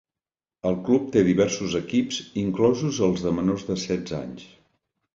El club té diversos equips, inclosos els de menors de setze anys.